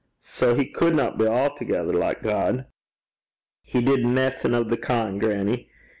Sae he cudna be a'thegither like God.' 'He did naething o' the kin', grannie.